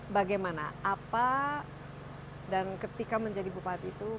bagaimana apa dan ketika menjadi bupati itu